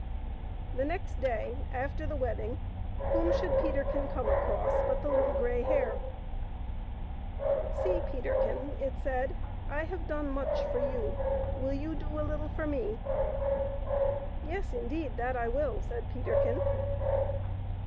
The next day after the wedding, whom should Peterkin come across but the Little Grey Hare. " See, Peterkin,'* it said, " I have done much for you ; will you do a little for me ?'*" Yes, indeed, that I will," said Peterkin.